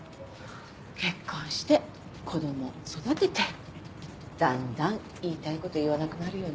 結婚して子供を育ててだんだん言いたいこと言わなくなるよね。